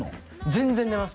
全然出ます